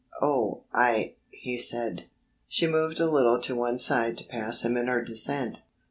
"Oh, I ..." he said. She moved a little to one side to pass him in her descent.